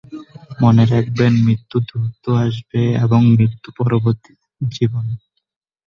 মনে রাখবেন মৃত্যু দ্রুত আসবে এবং মৃত্যু পরবর্তী জীবন।